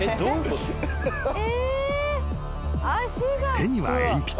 ［手には鉛筆。